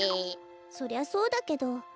そりゃそうだけど。